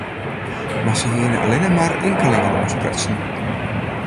Mar se hiene allinne mar inkelingen oansprutsen.